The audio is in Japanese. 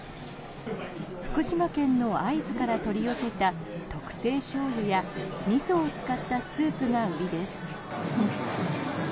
福島県の会津から取り寄せた特製しょうゆや、みそを使ったスープが売りです。